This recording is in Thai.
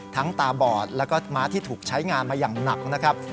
ตาบอดแล้วก็ม้าที่ถูกใช้งานมาอย่างหนักนะครับ